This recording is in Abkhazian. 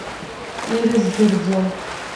Ирыздырӡом.